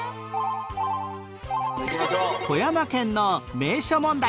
富山県の名所問題